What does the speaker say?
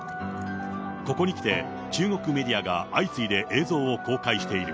ここにきて、中国メディアが相次いで映像を公開している。